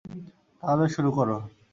তাহলে শুরু করো।